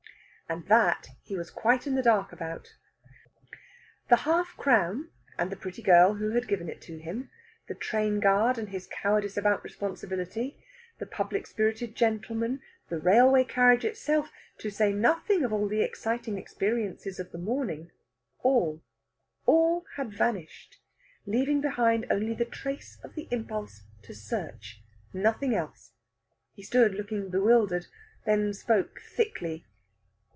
And that he was quite in the dark about. The half crown and the pretty girl who had given it to him, the train guard and his cowardice about responsibility, the public spirited gentleman, the railway carriage itself, to say nothing of all the exciting experiences of the morning all, all had vanished, leaving behind only the trace of the impulse to search. Nothing else! He stood looking bewildered, then spoke thickly.